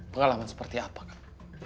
pengalaman seperti apa kak